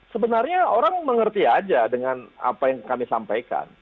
sebenarnya orang mengerti aja dengan apa yang kami sampaikan